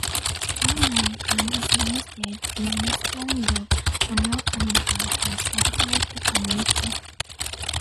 No migrant-receiving state in Western Europe or North America has ratified the Convention.